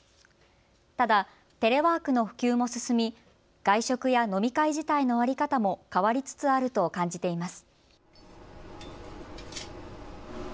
ただテレワークの普及も進み外食や飲み会自体の在り方も変わりつつあると感じています。